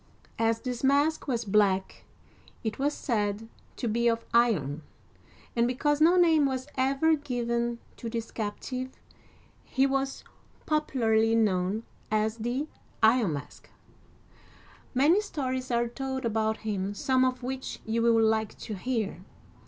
As this mask was black, it was said to be of iron, and, because no name was ever given to this captive, he was popularly known as " the Iron Mask." Many stories are told about him, some of which you will like to hear.